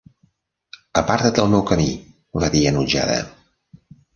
"Aparta't del meu camí!", va dir enutjada